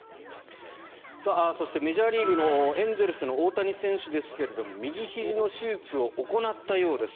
そしてメジャーリーグのエンゼルスの大谷選手ですが右ひじの手術を行ったようです。